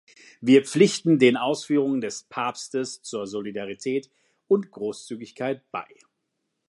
Wir pflichten den Ausführungen des Papstes zu Solidarität und Großzügigkeit bei.